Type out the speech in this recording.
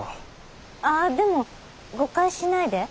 あぁでも誤解しないで。